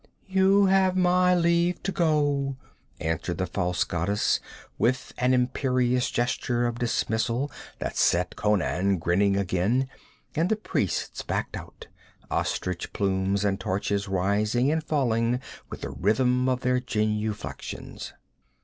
'You have my leave to go!' answered the false goddess, with an imperious gesture of dismissal that set Conan grinning again, and the priests backed out, ostrich plumes and torches rising and falling with the rhythm of their genuflexions.